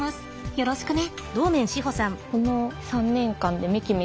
よろしくね。